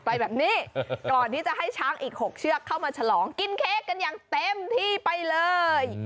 ไปแบบนี้ก่อนที่จะให้ช้างอีก๖เชือกเข้ามาฉลองกินเค้กกันอย่างเต็มที่ไปเลย